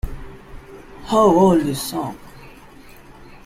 How Old Is Song?